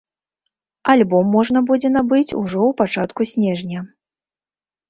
Альбом можна будзе набыць ужо ў пачатку снежня.